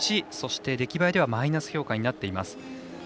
そして、出来栄えではマイナス評価になっています。